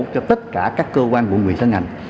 cho tất cả các cơ quan vùng viện sở ngành